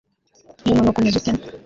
uyu munuko umeze ute